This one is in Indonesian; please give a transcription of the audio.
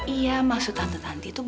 iya maksud tante tante itu banget